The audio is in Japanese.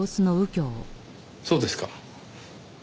そうですか。